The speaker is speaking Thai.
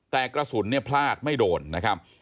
แต่กระสุนเนี่ยพลาดไม่โดนนะครับ